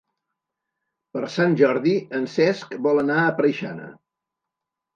Per Sant Jordi en Cesc vol anar a Preixana.